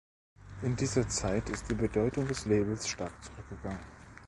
In dieser Zeit ist die Bedeutung des Labels stark zurückgegangen.